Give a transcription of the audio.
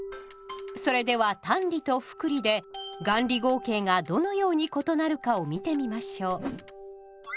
それでは単利と複利で元利合計がどのように異なるかを見てみましょう。